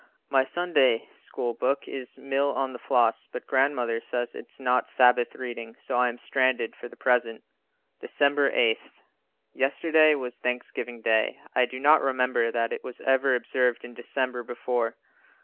My Sunday School book is "Mill on the Floss," but Grandmother says it is not Sabbath reading, so I am stranded for the present. December 8. Yesterday was Thanksgiving day. I do not remember that it was ever observed in December before.